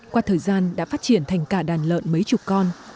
qua thời gian đã phát triển thành cả đàn lợn mấy chục con